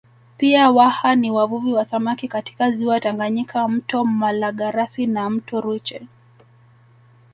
Pia Waha ni wavuvi wa samaki katika ziwa Tanganyika mto Malagarasi na Mto Rwiche